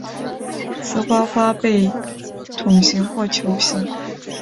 雌花花被筒形或球形。